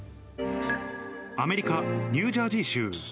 アメリカ・ニュージャージー州。